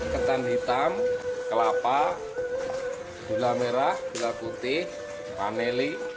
ketan hitam kelapa gula merah gula putih paneli